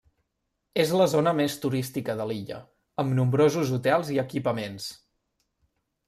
És la zona més turística de l'illa, amb nombrosos hotels i equipaments.